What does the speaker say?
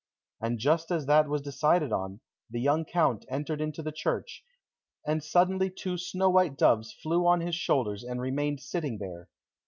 And just as that was decided on, the young count entered into the church, and suddenly two snow white doves flew on his shoulders and remained sitting there.